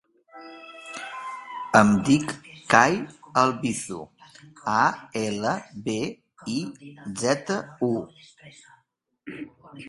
Em dic Cai Albizu: a, ela, be, i, zeta, u.